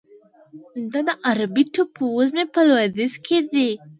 دا د عربي ټاپوزمې په لویدیځ کې دی.